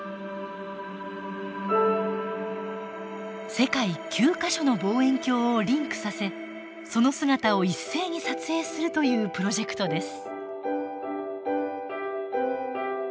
世界９か所の望遠鏡をリンクさせその姿を一斉に撮影するというプロジェクトです。